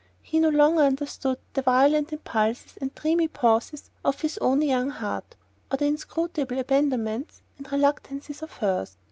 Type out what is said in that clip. He no longer understood the violent impulses and dreamy pauses of his own young heart, or the inscrutable abandonments and reluctances of hers.